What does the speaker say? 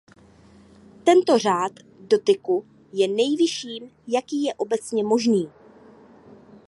Tento řád dotyku je nejvyšším jaký je obecně možný.